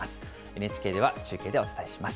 ＮＨＫでは中継でお伝えします。